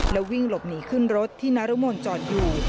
แล้ววิ่งหลบหนีขึ้นรถที่นารมนจอดอยู่